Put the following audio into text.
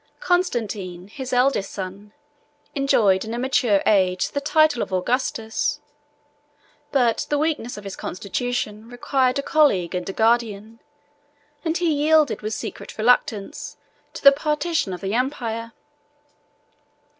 Constantine, his eldest son, enjoyed in a mature age the title of Augustus; but the weakness of his constitution required a colleague and a guardian, and he yielded with secret reluctance to the partition of the empire.